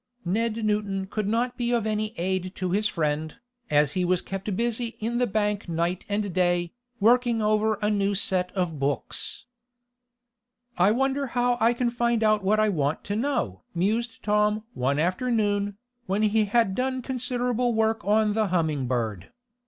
Ned Newton could not be of any aid to his friend, as he was kept busy in the bank night and day, working over a new set of books. "I wonder how I can find out what I want to know?" mused Tom one afternoon, when he had done considerable work on the Humming Bird.